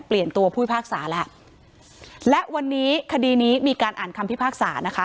เปลี่ยนตัวผู้พิพากษาแล้วและวันนี้คดีนี้มีการอ่านคำพิพากษานะคะ